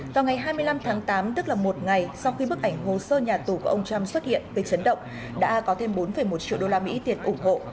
vào ngày hai mươi năm tháng tám tức là một ngày sau khi bức ảnh hồ sơ nhà tù của ông trump xuất hiện về chấn động đã có thêm bốn một triệu đô la mỹ tiền ủng hộ